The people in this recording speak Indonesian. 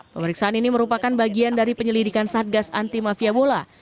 pemeriksaan ini merupakan bagian dari penyelidikan satgas anti mafia bola